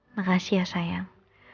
makasih ya sayang